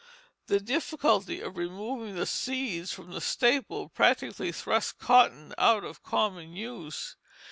The difficulty of removing the seeds from the staple practically thrust cotton out of common use.